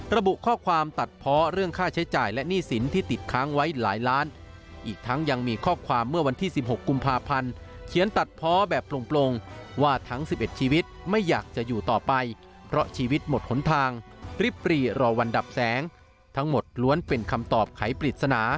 ระบุข้อความตัดพ้อเรื่องค่าใช้จ่ายและหนี้สินที่ติดค้างไว้หลายล้าน